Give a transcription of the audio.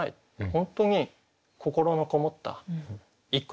本当に心のこもった一句なんですね。